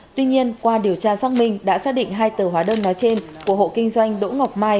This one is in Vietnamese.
tuy nhiên qua điều tra xác minh đã xác định hai tờ hóa đơn nói trên của hộ kinh doanh đỗ ngọc mai